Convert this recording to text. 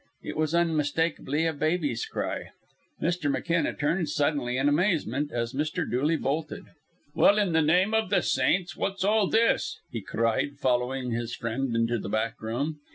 It was unmistakably a baby's cry. Mr. McKenna turned suddenly in amazement as Mr. Dooley bolted. "Well, in the name of the saints, what's all this?" he cried, following his friend into the back room.